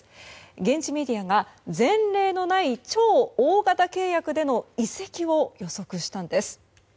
現地メディアが前例のない超大型契約での移籍を予測したんです。